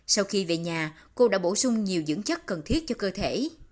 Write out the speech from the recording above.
sau khi về nhà cô đã bổ sung nhiều dưỡng chất cần thiết cho cơ thể